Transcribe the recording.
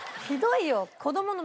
ひどいよ。